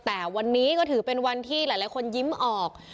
แต่วันนี้ก็ถือเป็นวันที่หลายคนยิ้มออก